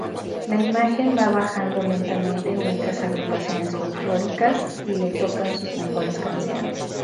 La imagen va bajando lentamente mientras agrupaciones folclóricas le tocan sus mejores canciones.